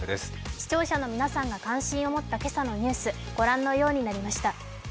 視聴者の皆さんが関心を持った今朝のニュース、ご覧のようになりました。